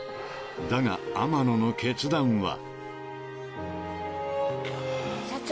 ［だが天野の決断は］社長。